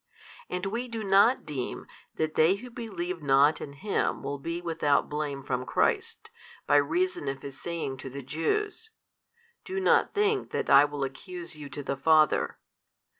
And we do not deem that they who believe not in Him will be without blame from Christ, by reason of His saying to the Jews, Do not think that I will accuse you to the Father.